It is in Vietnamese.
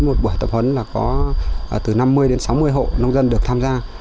mỗi buổi tập huấn có từ năm mươi đến sáu mươi hộ nông dân được tham gia